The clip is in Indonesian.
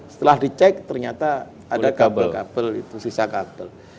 setelah dicek ternyata ada kabel kabel itu sisa kabel